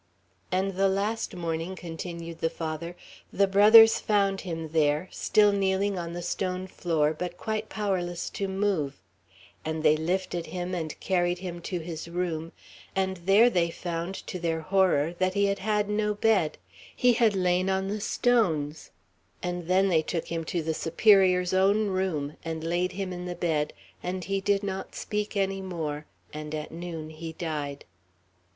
"And the last morning," continued the Father, "the Brothers found him there, still kneeling on the stone floor, but quite powerless to move; and they lifted him, and carried him to his room, and there they found, to their horror, that he had had no bed; he had lain on the stones; and then they took him to the Superior's own room, and laid him in the bed, and he did not speak any more, and at noon he died."